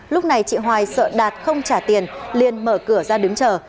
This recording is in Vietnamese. lúc này chị hoài sợ đạt không trả tiền liên mở cửa ra đứng chờ